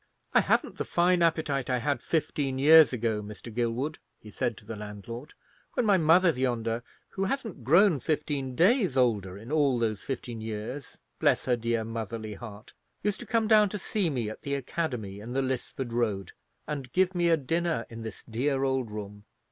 "I haven't the fine appetite I had fifteen years ago, Mr. Gilwood," he said to the landlord, "when my mother yonder, who hasn't grown fifteen days older in all those fifteen years,—bless her dear motherly heart!—used to come down to see me at the academy in the Lisford Road, and give me a dinner in this dear old room.